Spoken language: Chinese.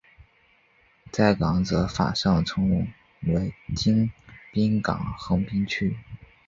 在港则法上称为京滨港横滨区。